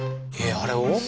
あれを？